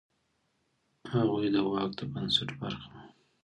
هغوی د واک د بنسټ برخه وه.